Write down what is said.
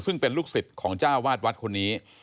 ซึ่งเป็นลูกศิษย์ของเจ้าวาดวัดคนนี้